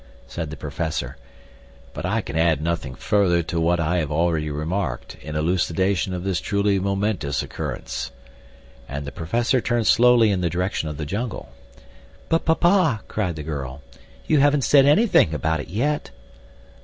said the professor; "but I can add nothing further to what I have already remarked in elucidation of this truly momentous occurrence," and the professor turned slowly in the direction of the jungle. "But, papa," cried the girl, "you haven't said anything about it yet."